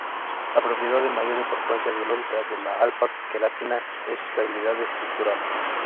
La propiedad de mayor importancia biológica de la alfa-queratina es su estabilidad estructural.